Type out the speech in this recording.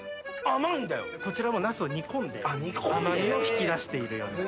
・こちらもナスを煮込んで甘みを引き出しているような。